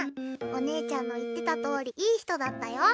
お姉ちゃんの言ってたとおりいい人だったよ。